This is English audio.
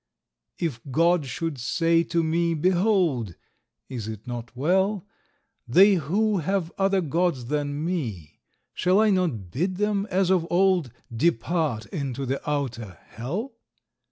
If GOD should say to me, Behold! Is it not well? They who have other gods than me, Shall I not bid them, as of old, Depart into the outer HELL?